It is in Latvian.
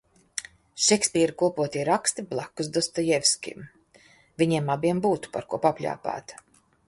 Šekspīra kopotie raksti blakus Dostojevskim, viņiem abiem būtu par ko papļāpāt.